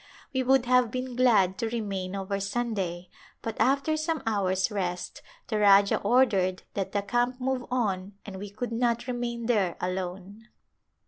We would have been glad to remain over Sunday but after some hours' rest the Rajah ordered that the camp move on and we could not remain there alone.